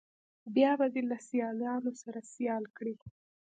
بیا به دې له سیالانو سره سیال کړي.